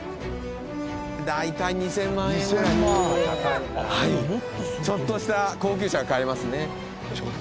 大体２０００万円ぐらいちょっとした高級車が買えますね